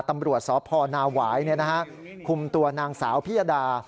ตำรวจสพนาหวายคุมตัวนางสาวพิยดา